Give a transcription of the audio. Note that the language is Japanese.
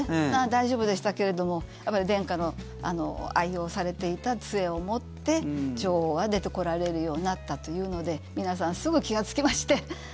大丈夫でしたけれども殿下の愛用されていた杖を持って女王は出てこられるようになったというので皆さんすぐに気がつきまして。